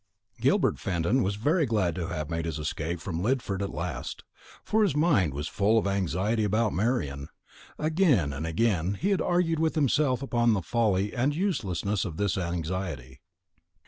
Gilbert Fenton was very glad to have made his escape from Lidford at last, for his mind was full of anxiety about Marian. Again and again he had argued with himself upon the folly and uselessness of this anxiety.